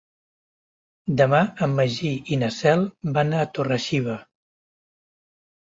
Demà en Magí i na Cel van a Torre-xiva.